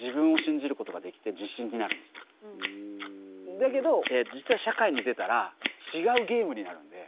だけど実は社会に出たら違うゲームになるんで。